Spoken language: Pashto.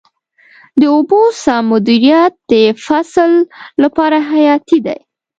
د اوبو سم مدیریت د فصل لپاره حیاتي دی.